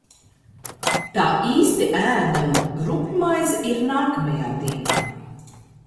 Tā īsti ēdama rupjmaize ir nākamajā dienā.